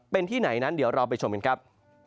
เป็นที่ไหนนั้นเดี๋ยวเราไปชมกันครับ